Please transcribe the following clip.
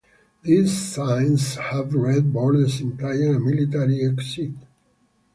The signs have red borders, implying a military exit.